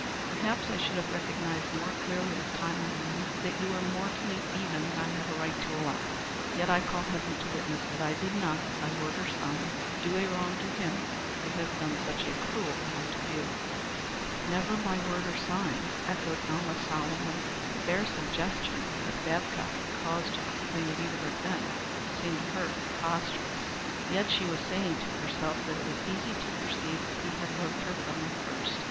Perhaps I should have recognized more clearly as time went on that you were more to me even then than I had a right to allow; yet I call heaven to witness that I did not, by word or sign, do a wrong to him who has done such a cruel wrong to you." "Never by word or sign," echoed Selma solemnly. The bare suggestion that Babcock had cause to complain of either of them seemed to her preposterous. Yet she was saying to herself that it was easy to perceive that he had loved her from the first.